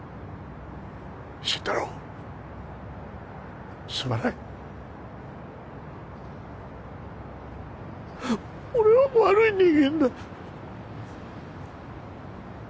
心太朗すまない俺は悪い人間だ